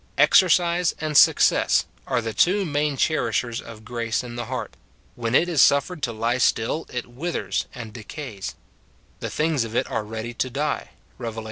Exercise and success are the two main eherishers of grace in the heart ; when it is suffered to lie still, it withers and decays : the things of it are ready to die, Rev. iii.